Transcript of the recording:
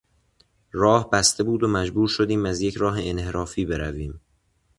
راه بسته بود و مجبور شدیم از یک راه انحرافی برویم.